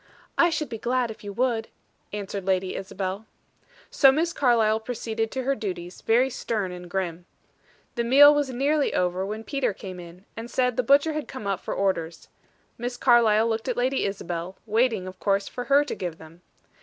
"I should be glad if you would," answered Lady Isabel. So Miss Carlyle proceeded to her duties, very stern and grim. The meal was nearly over, when Peter came in, and said the butcher had come up for orders. Miss Carlyle looked at Lady Isabel, waiting, of course, for her to give them.